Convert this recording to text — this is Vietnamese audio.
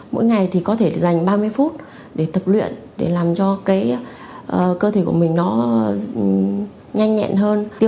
mỗi ngày thì có thể dành ba mươi phút để tập luyện để làm cho cái cơ thể của mình nó nhanh nhẹn hơn